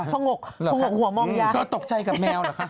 พ่องกหัวมองยักษ์เขาตกใจกับแมวเหรอคะ